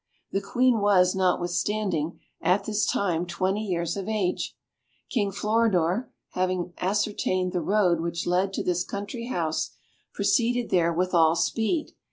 The Queen was, notwithstanding, at this time twenty years of age. King Floridor having ascertained the road which led to this country house, proceeded there with all speed.